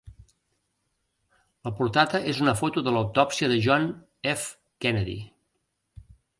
La portada és una foto de l'autòpsia de John F. Kennedy.